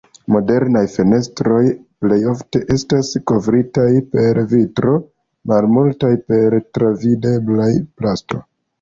Modernaj fenestroj plejofte estas kovritaj per vitro; malmultaj per travidebla plasto.